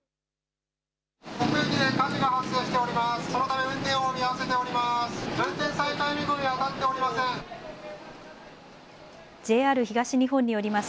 尾久駅で火事が発生しております。